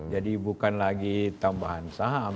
jadi bukan lagi tambahan saham